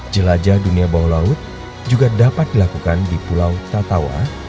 jelajah dunia bawah laut juga dapat dilakukan di pulau tatawa